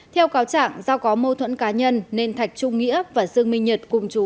theo cáo trạng do có mâu thuẫn cá nhân nên thạch trung nghĩa và dương minh nhật cùng chú